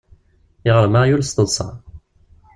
Iɣrem aɣyul s teḍṣa.